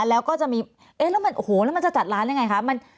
แล้วก็จะมีเอ๊ะแล้วมันโอ้โหแล้วมันจะจัดร้านยังไงคะ